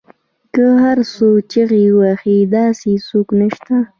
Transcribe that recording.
که هر څو چیغې وهي داسې څوک نشته